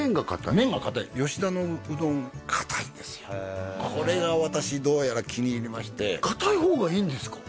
麺がかたい吉田のうどんこれが私どうやら気に入りましてかたい方がいいんですか？